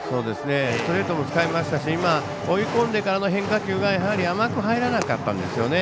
ストレートも使いましたし追い込んでからの変化球が甘く入らなかったんですよね。